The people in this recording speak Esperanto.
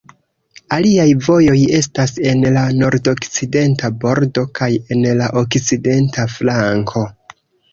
Aliaj vojoj estas en la nordokcidenta bordo kaj en la okcidenta flanko.